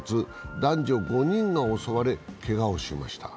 男女５人が襲われ、けがをしました。